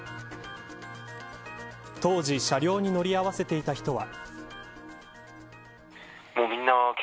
当時、車両に乗り合わせていた人は。